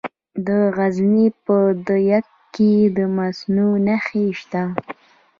د غزني په ده یک کې د مسو نښې شته.